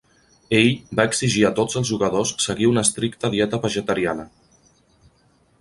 Ell va exigir a tots els jugadors seguir una estricta dieta vegetariana.